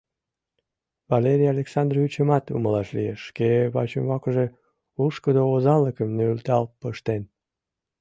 Валерий Александровичымат умылаш лиеш: шке вачӱмбакыже лушкыдо озанлыкым нӧлтал пыштен.